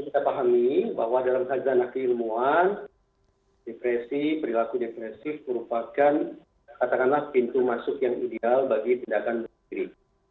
kita pahami bahwa dalam tajam laki ilmuwan depresi berlaku depresif merupakan katakanlah pintu masuk yang ideal bagi tindakan bersegeri